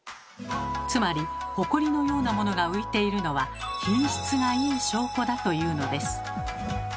つまりホコリのようなものが浮いているのは品質がいい証拠だというのです。